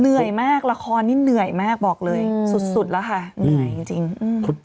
เหนื่อยมากละครนี้เหนื่อยมากบอกเลยสุดแล้วค่ะเหนื่อยจริง